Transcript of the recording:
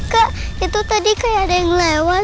kak itu tadi kayak ada yang lewat